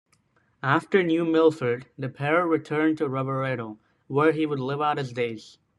After New Milford, Depero returned to Rovereto, where he would live out his days.